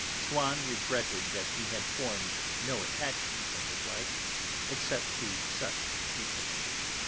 Swann regretted that he had formed no attachments in his life except to such people.